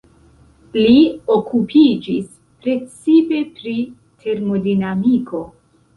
Li okupiĝis precipe pri termodinamiko.